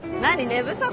寝不足？